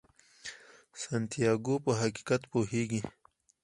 سانتیاګو په حقیقت پوهیږي.